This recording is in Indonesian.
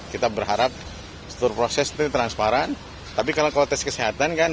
kita berharap seluruh proses itu transparan tapi kalau tes kesehatan kan